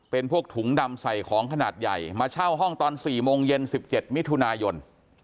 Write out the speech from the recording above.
เป็นพวกถุงดำใส่ของขนาดใหญ่มาเช่าห้องตอน๔โมงเย็น๑๗มิถุนายน